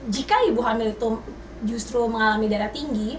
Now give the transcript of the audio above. jika ibu hamil itu justru mengalami darah tinggi